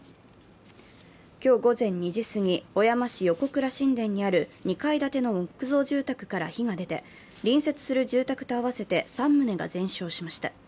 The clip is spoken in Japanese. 今日午前２時すぎ、小山市横倉新田にある２階建ての木造住宅から火が出て火が出て、隣接する住宅と合わせて３棟が全焼しました。